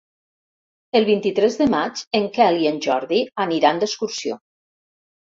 El vint-i-tres de maig en Quel i en Jordi aniran d'excursió.